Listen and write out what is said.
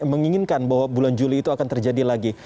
menginginkan bahwa bulan juli itu akan terjadi lagi